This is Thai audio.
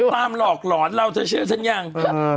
ตามหลอกหลอนเราเธอเชื่อฉันยัง